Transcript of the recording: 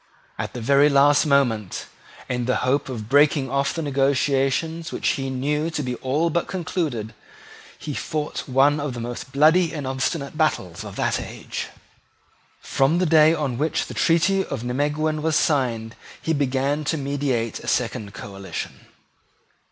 At the very last moment, in the hope of breaking off the negotiation which he knew to be all but concluded, he fought one of the most bloody and obstinate battles of that age. From the day on which the treaty of Nimeguen was signed, he began to meditate a second coalition.